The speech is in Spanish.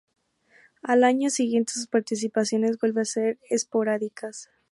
Al año siguiente sus participaciones vuelve a ser esporádicas.